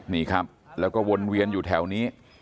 นี่ครับแล้วก็วนเวียนอยู่แถวนี้